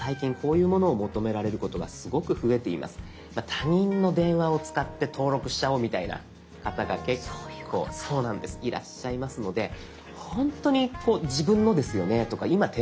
他人の電話を使って登録しちゃおうみたいな方が結構いらっしゃいますので「ほんとに自分のですよね？」とか「今手元にあるんですよね？」